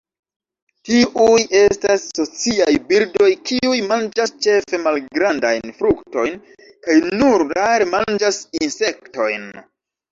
Tiuj estas sociaj birdoj kiuj manĝas ĉefe malgrandajn fruktojn kaj nur rare manĝas insektojn.